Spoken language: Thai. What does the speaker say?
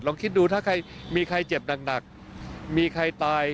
คิดดูถ้าใครมีใครเจ็บหนักมีใครตาย